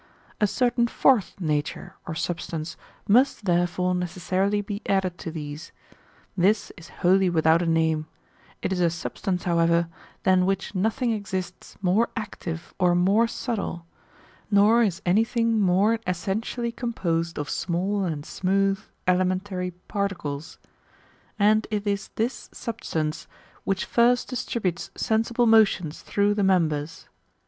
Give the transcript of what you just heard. A certain fourth nature, or substance,^ must therefore necessarily be added to these ; this is wholly without a name ; it is a sub stance, however, than which nothing exists more active or more subtle, nor is any thing more essentially composed of small and smooth elementary particles; and it is this substance which first distributes sensible motions through the members.